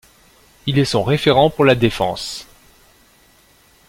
Il est son référent pour la défense.